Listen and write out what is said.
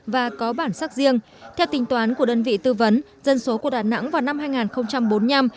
và có bản sắc riêng theo tính toán của đơn vị tư vấn dân số của đà nẵng vào năm hai nghìn bốn mươi năm